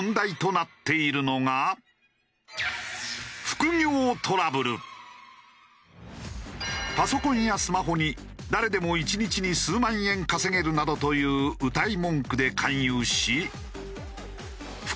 そしてパソコンやスマホに誰でも１日に数万円稼げるなどといううたい文句で勧誘し。